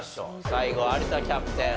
最後有田キャプテン